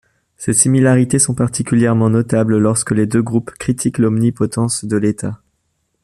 Ces similarités sont particulièrement notable lorsque les deux groupes critiquent l'omnipotence de État.